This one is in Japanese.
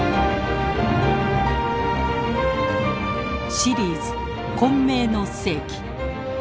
シリーズ「混迷の世紀」。